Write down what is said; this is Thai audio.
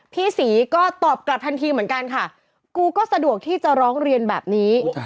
พี่ศรีก็ตอบกลับทันทีเหมือนกันค่ะกูก็สะดวกที่จะร้องเรียนแบบนี้